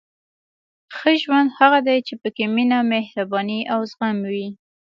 • ښه ژوند هغه دی چې پکې مینه، مهرباني او زغم وي.